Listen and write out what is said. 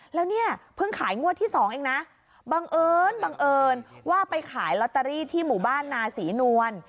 แล้วเนี่ยเพิ่งขายงวดที่๒เองนะบังเอิญบังเอิญว่าไปขายลอตเตอรี่ที่หมู่บ้านนาศรีนวล